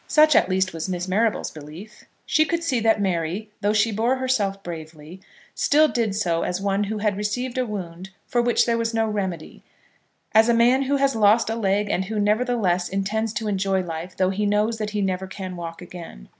Such, at least, was Miss Marrable's belief. She could see that Mary, though she bore herself bravely, still did so as one who had received a wound for which there was no remedy; as a man who has lost a leg and who nevertheless intends to enjoy life though he knows that he never can walk again.